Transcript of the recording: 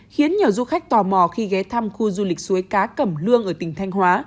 khiến nhiều du khách tò mò khi ghé thăm khu du lịch suối cá cẩm lương ở tỉnh thanh hóa